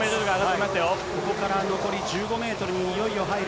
ここから残り１５メートルにいよいよ入る。